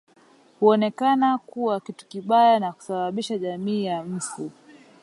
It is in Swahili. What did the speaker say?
Huonekana kuwa kitu kibaya na kusababisha jamii ya mfu